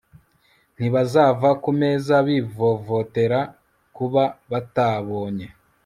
ntibazava ku meza bivovotera kuba batabonye